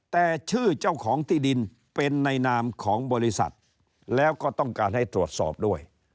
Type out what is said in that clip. แต่ชื่อเจ้าของที่ดินเป็นในนามของบริษัทแล้วก็ต้องการให้ตรวจสอบด้วย